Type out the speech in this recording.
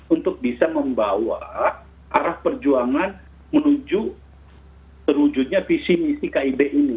untuk bisa membawa arah perjuangan menuju terwujudnya visi misi kib ini